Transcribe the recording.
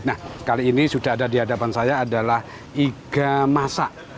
nah kali ini sudah ada di hadapan saya adalah iga masak